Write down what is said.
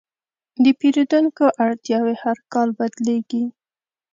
د پیرودونکو اړتیاوې هر کال بدلېږي.